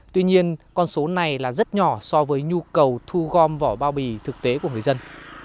tuy nhiên con số này là rất nhỏ so với nhu cầu thu gom vỏ bao bì thực tế của người dân